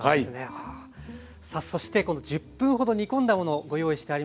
さあそしてこの１０分ほど煮込んだものをご用意してあります。